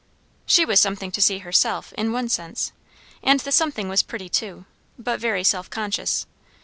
She was something to see herself, in one sense, and the something was pretty, too; but very self conscious.